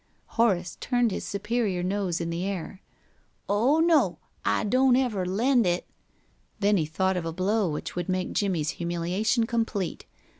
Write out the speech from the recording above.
Horace turned his superior nose in the air. "Oh no! I don't ever lend it." Then he thought of a blow which would make Jimmie's humiliation complete.